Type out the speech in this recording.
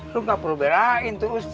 lo gak perlu berain tuh ustaz